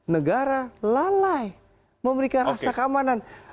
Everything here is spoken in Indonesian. negara lalai memberikan rasa keamanan